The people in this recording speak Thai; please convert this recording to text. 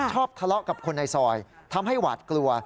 ทะเลาะกับคนในซอยทำให้หวาดกลัว